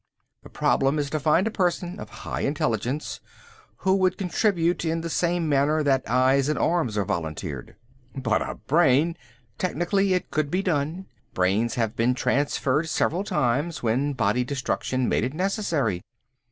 "The problem is to find a person of high intelligence who would contribute, in the same manner that eyes and arms are volunteered." "But a brain...." "Technically, it could be done. Brains have been transferred several times, when body destruction made it necessary.